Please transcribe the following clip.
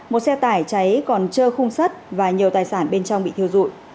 một xe tải cháy còn trơ khung sắt và nhiều tài sản bên trong bị thiêu dụi